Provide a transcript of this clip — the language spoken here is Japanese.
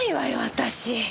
私。